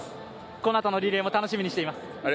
このあとのリレーも楽しみにしています。